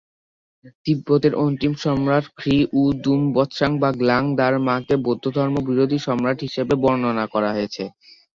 তিব্বতের অন্তিম সম্রাট খ্রি-উ-দুম-ব্ত্সান বা গ্লাং-দার-মাকে বৌদ্ধ ধর্ম বিরোধী সম্রাট হিসেবে বর্ণনা করা হয়েছে।